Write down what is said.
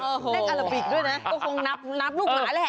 เล่นอาราบิกด้วยนะก็คงนับลูกหมาแหละ